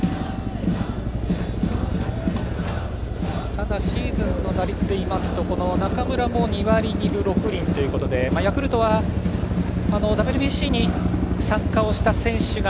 ただ、シーズンの打率でいうと中村も２割２分６厘ということでヤクルトはＷＢＣに参加をした選手が